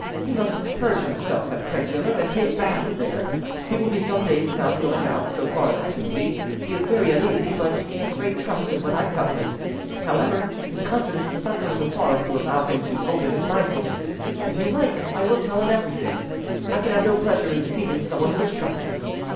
He must purge himself at Craigmiller and take baths there; he will be some days without going out. So far as I can see, he is very uneasy; but he has great trust in what I tell him: however, his confidence does not go so far as to allow him to open his mind to me. If you like, I will tell him every thing: I can have no pleasure in deceiving someone who is trusting.